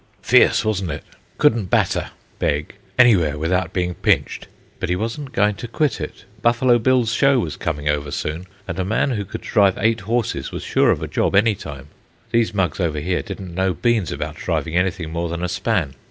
Fierce, wasn't it? Couldn't "batter" (beg) anywhere without being "pinched." But he wasn't going to quit it. Buffalo Bill's Show was coming over soon, and a man who could drive eight horses was sure of a job any time. These mugs over here didn't know beans about driving anything more than a span.